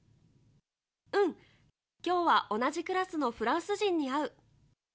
うん、きょうは同じクラスのフランス人に会う。